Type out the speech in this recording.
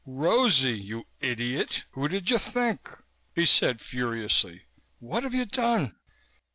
"Rosie, you idiot, who did you think?" he said furiously. "What have you done?"